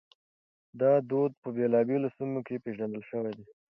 دا دود په بېلابېلو سيمو کې پېژندل شوی دی.